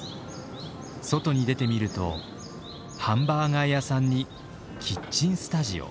外に出てみるとハンバーガー屋さんにキッチンスタジオ。